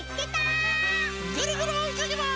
ぐるぐるおいかけます！